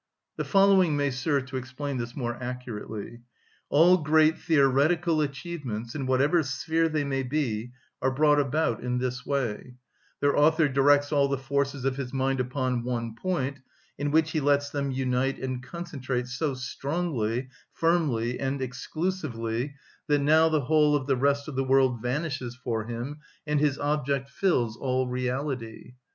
The following may serve to explain this more accurately. All great theoretical achievements, in whatever sphere they may be, are brought about in this way: Their author directs all the forces of his mind upon one point, in which he lets them unite and concentrate so strongly, firmly, and exclusively that now the whole of the rest of the world vanishes for him, and his object fills all reality.